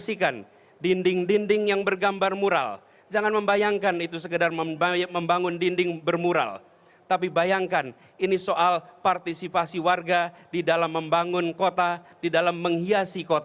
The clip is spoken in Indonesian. saya secara pribadi ya pak saya terkagum sekali loh